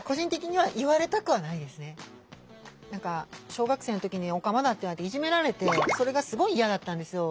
小学生の時にオカマだって言われていじめられてそれがすごい嫌だったんですよ。